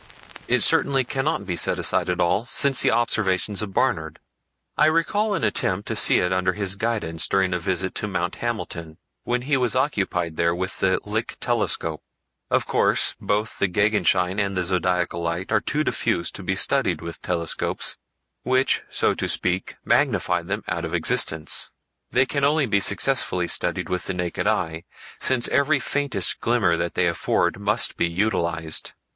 It certainly cannot be set aside at all since the observations of Barnard. I recall an attempt to see it under his guidance during a visit to Mount Hamilton, when he was occupied there with the Lick telescope. Of course, both the Gegenschein and the Zodiacal Light are too diffuse to be studied with telescopes, which, so to speak, magnify them out of existence. They can only be successfully studied with the naked eye, since every faintest glimmer that they afford must be utilized.